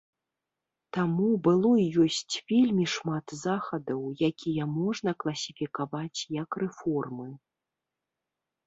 Таму было і ёсць вельмі шмат захадаў, якія можна класіфікаваць як рэформы.